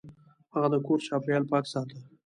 هغه د کور چاپیریال پاک ساته.